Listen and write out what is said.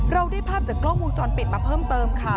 เราได้ภาพจากกล้องวงจรปิดมาเพิ่มเติมค่ะ